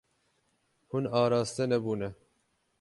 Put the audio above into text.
Hûn araste nebûne.